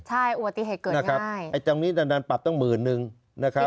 ใช่อุบัติเหตุเกิดนะครับไอ้ตรงนี้ดันปรับตั้งหมื่นนึงนะครับ